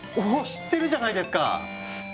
知ってるじゃないですか！